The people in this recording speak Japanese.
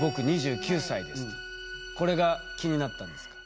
これが気になったんですか？